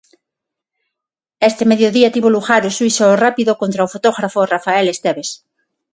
Este mediodía tivo lugar o xuízo rápido contra o fotógrafo Rafael Estévez.